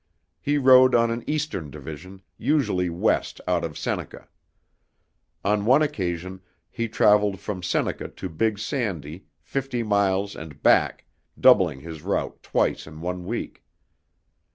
He rode on an eastern division, usually west out of Seneca. On one occasion, he traveled from Seneca to Big Sandy, fifty miles and back, doubling his route twice in one week.